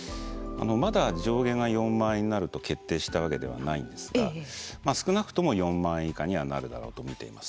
まだ上限が４万円になると決定したわけではないんですが少なくとも４万円以下にはなるだろうと見ています。